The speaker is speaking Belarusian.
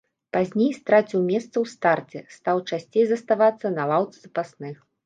Пазней страціў месца ў старце, стаў часцей заставацца на лаўцы запасных.